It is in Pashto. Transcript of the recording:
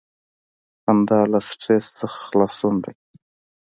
• خندا له سټریس څخه خلاصون دی.